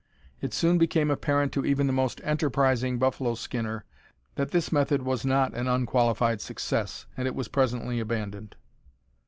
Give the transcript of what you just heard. It soon became apparent to even the most enterprising buffalo skinner that this method was not an unqualified success, and it was presently abandoned.